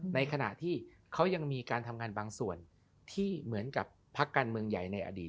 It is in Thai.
ในขณะที่เขายังมีการทำงานบางส่วนที่เหมือนกับพักการเมืองใหญ่ในอดีต